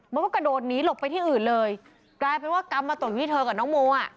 มันก็กระโดดหนีหลบไปที่อื่นเลยกลายเป็นว่ากรรมมาตกอยู่ที่เธอกับน้องโมอ่ะ